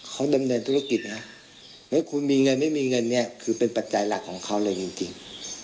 เขาดำเนินธุรกิจนะเฮ้ยคุณมีเงินไม่มีเงินเนี่ยคือเป็นปัจจัยหลักของเขาเลยจริง